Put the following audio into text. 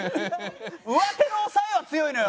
上手の抑えは強いのよ。